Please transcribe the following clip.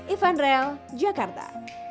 ivan rel jakarta